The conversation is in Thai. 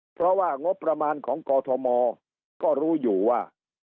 เพราะว่างบประมาณของกอทมก็รู้อยู่ว่า